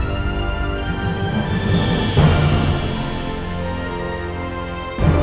aku akan selalu mencintai kamu